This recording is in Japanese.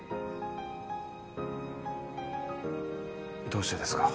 どうしてですか？